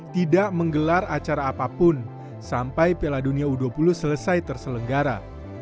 tidak menggelar acara apapun sampai piala dunia u dua puluh selesai terselenggara